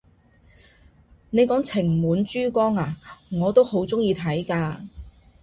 你講情滿珠江咓，我都好鍾意睇㗎！